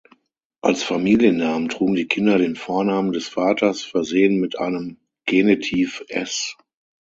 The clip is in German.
Als Familiennamen trugen die Kinder den Vornamen des Vaters versehen mit einem Genitiv-s.